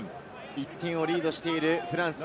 １点をリードしているフランス。